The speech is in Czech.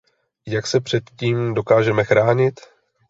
Jak se před tím dokážeme chránit?